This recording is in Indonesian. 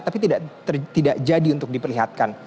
tapi tidak jadi untuk diperlihatkan